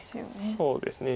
そうですね。